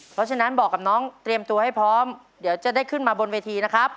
เพราะฉะนั้นบอกกับน้องเตรียมตัวให้พร้อมเดี๋ยวจะได้ขึ้นมาบนเวทีนะครับ